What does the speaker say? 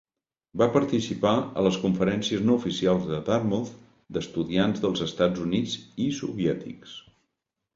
Va participar a les conferències no oficials de Dartmouth d'estudiants dels Estats Units i soviètics.